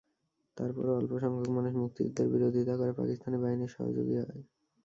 তার পরও অল্পসংখ্যক মানুষ মুক্তিযুদ্ধের বিরোধিতা করে পাকিস্তানি বাহিনীর সহযোগী হয়।